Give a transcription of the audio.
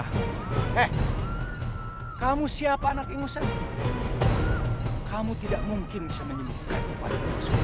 eh kamu siapa anak ingus ini kamu tidak mungkin bisa menyembuhkan upada